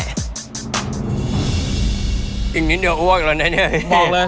อีกนิดเดียวกินงนิดเดียว